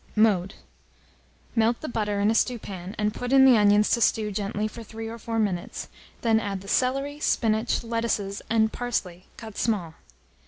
Mode. Melt the butter in a stewpan, and put in the onions to stew gently for 3 or 4 minutes; then add the celery, spinach, lettuces, and parsley, cut small.